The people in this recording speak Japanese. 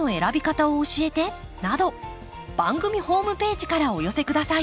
番組ホームページからお寄せ下さい。